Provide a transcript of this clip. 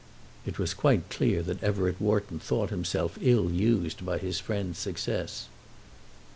It was quite clear that Everett Wharton thought himself ill used by his friend's success.